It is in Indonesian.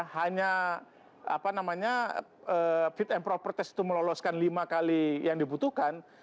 hanya fit and proper test itu meloloskan lima kali yang dibutuhkan